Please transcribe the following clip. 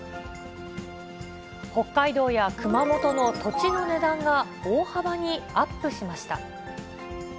北海道や熊本の土地の値段が大幅にアップしました。